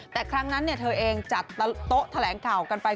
แต่ครั้งนั้นเธอเองจัดโต๊ะแถลงข่าวกันไป